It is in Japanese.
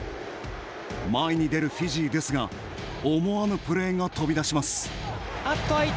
前に出るフィジーですが思わぬプレーが飛び出します。